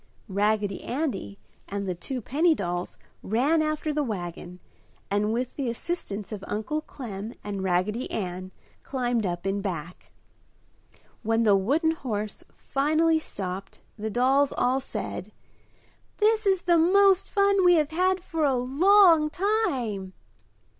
Raggedy Andy and the two penny dolls ran after the wagon and, with the assistance of Uncle Clem and Raggedy Ann, climbed up in back. When the wooden horse finally stopped the dolls all said, "This is the most fun we have had for a long time!"